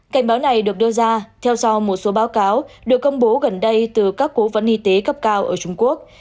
cảnh báo này được đưa ra theo sau một số báo cáo được công bố gần đây từ các cố vấn y tế cấp cao ở trung quốc